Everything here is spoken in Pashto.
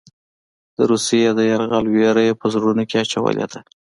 د روسیې د یرغل وېره یې په زړونو کې اچولې ده.